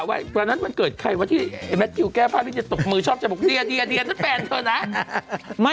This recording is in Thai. เวลานั้นที่แก้วพ่อที่ตกชอบให้ห่ะ